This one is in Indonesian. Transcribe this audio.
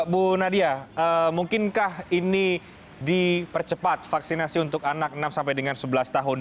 bu nadia mungkinkah ini dipercepat vaksinasi untuk anak enam sampai dengan sebelas tahun